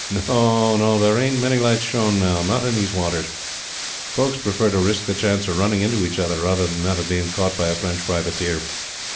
No, no; there ain't many lights shown now, not in these waters. Folks prefer to risk the chance of running into each other rather than that of being caught by a French privateer."